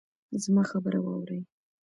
زما خبره واورئ